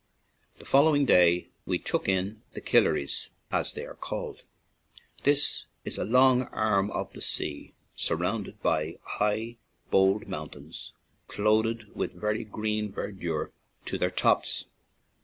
The following day we "took in" the Killaries, as they are called. This is a long arm of the sea, surrounded by high, bold mountains, clothed with very green verdure to their tops.